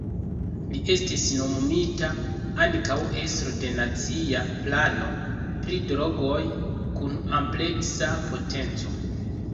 Li estis nomumita ankaŭ estro de Nacia Plano pri Drogoj kun ampleksa potenco.